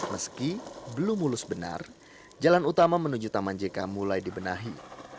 meski belum mulus benar jalan utama menuju taman jk mulai dibenahi